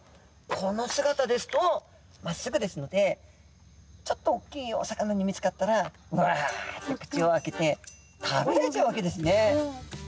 この姿ですとまっすぐですのでちょっと大きいお魚に見つかったらわっと口を開けて食べられちゃうわけですね。